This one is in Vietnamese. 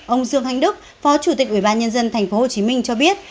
ông dương thanh đức phó chủ tịch ủy ban nhân dân tp hcm cho biết